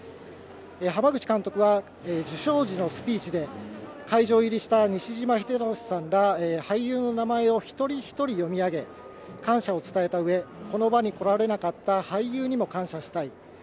濱口監督は受賞時のスピーチで、会場入りした西島秀俊さんら俳優の名前も一人一人読み上げ、感謝を伝えたうえ、この場に来られなかった俳優にも感謝したい。